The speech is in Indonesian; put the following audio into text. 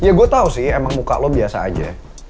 ya gue tau sih emang muka lo biasa aja